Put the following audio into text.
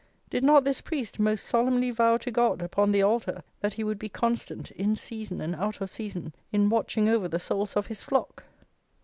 Did not this priest most solemnly vow to God, upon the altar, that he would be constant, in season and out of season, in watching over the souls of his flock?